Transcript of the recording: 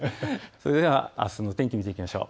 それでは、あすの天気を見ていきましょう。